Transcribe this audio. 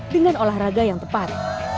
dengan olahraga yang tepat